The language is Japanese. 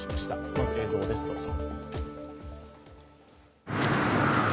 まず映像です、どうぞ。